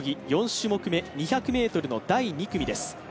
４種目め２００ｍの第２組です。